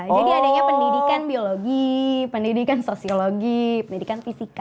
jadi adanya pendidikan biologi pendidikan sosiologi pendidikan fisika